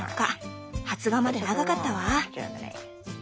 発芽まで長かったわ。